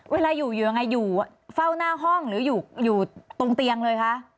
เวลาอยู่อยู่ยังไงอยู่เฝ้าหน้าห้องหรืออยู่ตรงเตียงเลยคะ